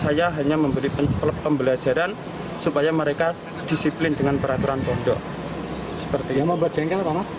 saya hanya memberi pembelajaran supaya mereka disiplin dengan peraturan pondok